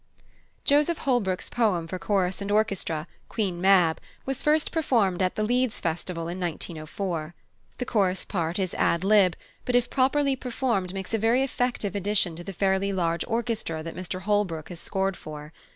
+Joseph Holbrooke's+ poem for chorus and orchestra, Queen Mab, was first performed at the Leeds Festival in 1904. The chorus part is ad lib., but if properly performed makes a very effective addition to the fairly large orchestra that Mr Holbrooke has scored for.